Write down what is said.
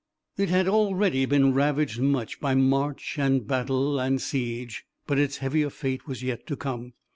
It had already been ravaged much by march and battle and siege, but its heavier fate was yet to come.